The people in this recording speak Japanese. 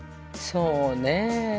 そうね。